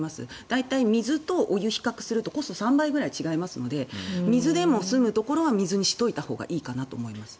大体水とお湯を比較するとコストは３倍くらい違うので水でも済むところは水にしたほうがいいと思います。